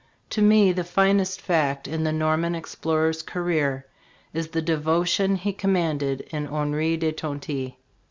To me the finest fact in the Norman explorer's career is the devotion he com manded in Henri de Tonty.